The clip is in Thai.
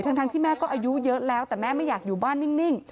ทั้งที่แม่ก็อายุเยอะแล้วแต่แม่ไม่อยากอยู่บ้านนิ่ง